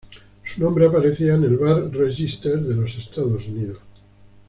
Su nombre aparecía en el Bar Register de los Estados Unidos.